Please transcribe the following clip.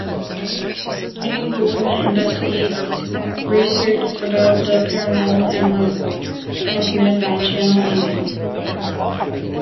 "Jane Goldman Investigates" researched about the paranormal and was transmitted by channel Living.